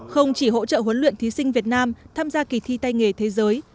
không chỉ hỗ trợ huấn luyện thí sinh việt nam tham gia kỳ thi tay nghề thế giới